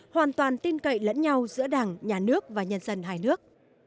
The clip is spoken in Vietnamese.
hoàn toàn tin cậy lẫn nhau giữa đảng nhà nước và nhân dân hai nước